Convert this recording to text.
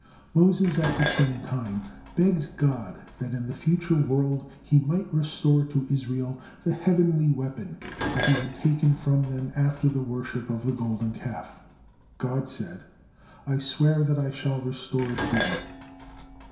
Moses at the same time begged God that in the future world He might restore to Israel the heavenly weapon that He had taken from them after the worship of the Golden Calf. God said, "I swear that I shall restore it to them."